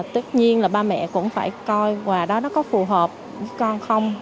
tất nhiên là ba mẹ cũng phải coi quà đó có phù hợp với con không